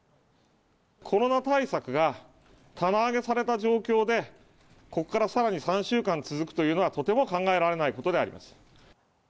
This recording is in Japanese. コロナ対策が棚上げされた状況で、ここからさらに３週間続くというのは、とても考えられないことであります。